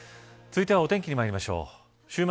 続いてはお天気にまいりましょう。